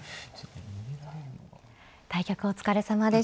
対局お疲れさまでした。